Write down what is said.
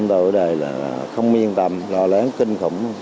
tôi ở đây là không yên tâm lo lắng kinh khủng